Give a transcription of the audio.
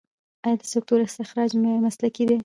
آیا د سکرو استخراج مسلکي دی؟